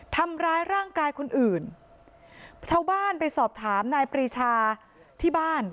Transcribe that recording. ทำร้ายร่างกายคนอื่นชาวบ้านไปสอบถามนายปรีชาที่บ้าน